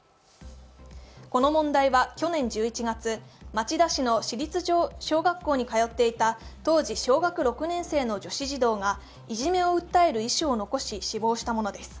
この問題は去年１１月、町田市の市立小学校に通っていた当時小学６年生の女子児童が、いじめを訴える遺書を残し、自殺したものです。